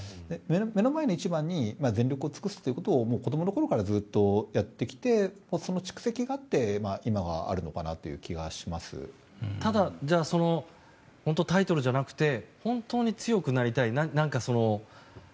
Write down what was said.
目の前の一番に全力を尽くすということを子供のころからずっとやってきてその蓄積があって今があるのかなというただ、タイトルじゃなくて本当に強くなりたい。